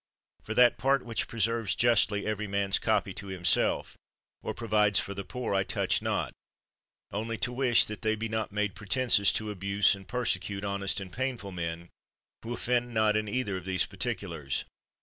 For that part which preserves justly every man's copy to himself, or provides for the poor, I touch not, only to wish they be not made pretenses to abuse and persecute honest and painful men, who offend not in either of these particulars.